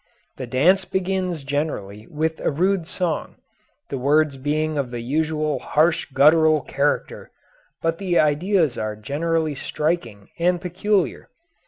The dance begins generally with a rude song, the words being of the usual harsh guttural character, but the ideas are generally striking and peculiar.